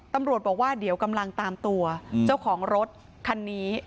ตำรวจบอกว่าเดี๋ยวกำลังตามตัวเจ้าของรถคันนี้